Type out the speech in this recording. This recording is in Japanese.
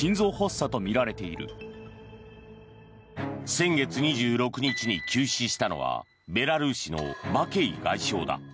先月２６日に急死したのはベラルーシのマケイ外相だ。